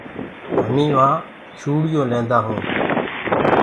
همينٚ وهآنٚ چوڙيو ليندآ هونٚ۔